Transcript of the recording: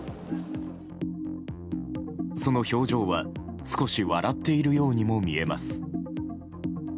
その表情は、少し笑っているようにも見えます。